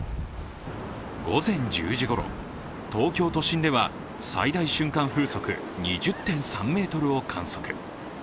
午前１０時ごろ、東京都心では最大瞬間風速２０．３メートルを観測。